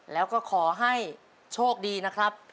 แล้วก็ขอให้โชคดีนะครับ